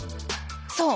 そう！